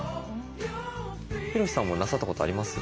ヒロシさんもなさったことあります？